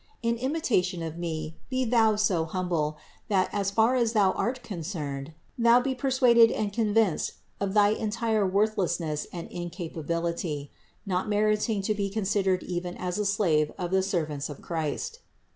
In imitation of me be thou so humble, that as far as thou art concerned, thou be per suaded and convinced of thy entire worthlessness and in capability, not meriting to be considered even as a slave of the servants of Christ.